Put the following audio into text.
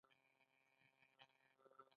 د نقد د زغم خبره مې کوله.